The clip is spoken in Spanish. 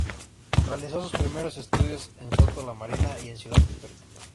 Realizó sus primeros estudios en Soto la Marina y en Ciudad Victoria.